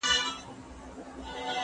په دا غم کي به راګير سوو